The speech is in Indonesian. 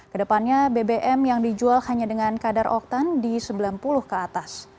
kedepannya bbm yang dijual hanya dengan kadar oktan di sembilan puluh ke atas